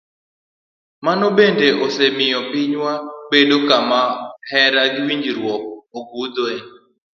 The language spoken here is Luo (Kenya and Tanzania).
Mano bende osemiyo pinywa obedo kama hera gi winjruok ogundhoe.